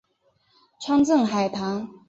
川滇海棠